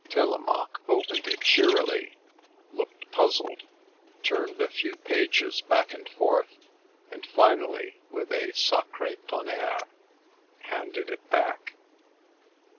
Telemaque opened it cheerily, looked puzzled, turned a few pages back and forth, and finally, with a " Sacre tonnere !" handed it back.